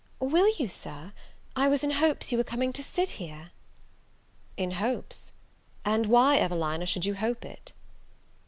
"Will you, Sir? I was in hopes you were coming to sit here." "In hopes! and why, Evelina, should you hope it?"